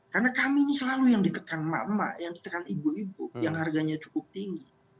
karena kami ini selalu yang ditekan mak mak yang ditekan ibu ibu yang harganya cukup tinggi